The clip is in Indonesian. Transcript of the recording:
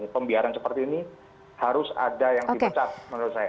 pembiaran seperti ini harus ada yang dipecat menurut saya